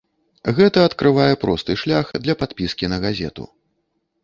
Гэта адкрывае просты шлях для падпіскі на газету.